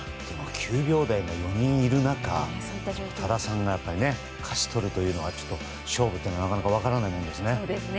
９秒台が４人いる中多田さんが勝ち取るというのが勝負というのはなかなか分からないものですね。